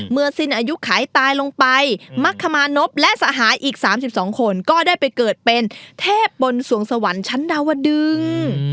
สิ้นอายุขายตายลงไปมักขมานพและสหายอีก๓๒คนก็ได้ไปเกิดเป็นเทพบนสวงสวรรค์ชั้นดาวดึง